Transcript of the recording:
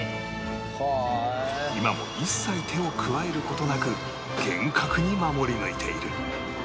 今も一切手を加える事なく厳格に守り抜いている